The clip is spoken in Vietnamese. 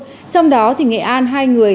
trong đó thì nghệ an hai người